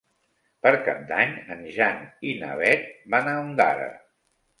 Per Cap d'Any en Jan i na Beth van a Ondara.